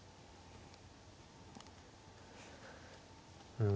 うん。